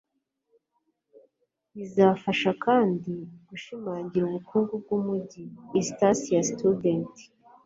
bizafasha kandi gushimangira ubukungu bwumujyi eastasiastudent